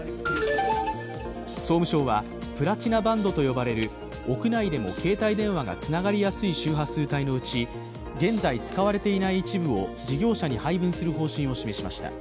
総務省はプラチナバンドと呼ばれる屋内でも携帯電話がつながりやすい周波数帯のうち現在、使われていない一部を事業者に配分する方針を示しました。